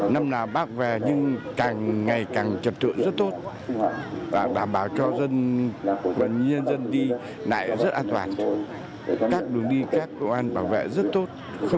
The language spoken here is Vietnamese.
năm nào bác về nhưng càng ngày càng trật tự rất tốt